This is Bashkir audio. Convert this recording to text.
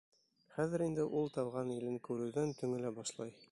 Хәҙер инде ул тыуған илен күреүҙән төңөлә башлай.